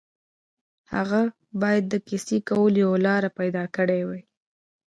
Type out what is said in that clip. هغه باید د کیسې کولو یوه لاره پيدا کړي